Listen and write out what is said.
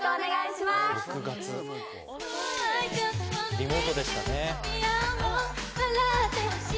リモートでしたね。